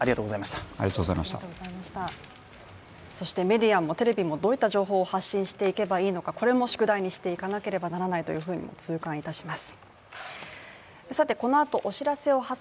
メディアもテレビもどういった情報を発信していけばいいのかこれも宿題にしていかなければならないと痛感いたします。